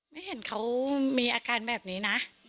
ไม่เห็นเขามีอาการแบบนี้นะ